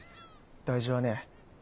大事はねぇ。